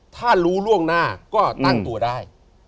ถ้ารู้ล่วงหน้าก็ตั้งตัวได้